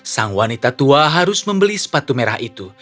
sang wanita tua harus membeli sepatu merah itu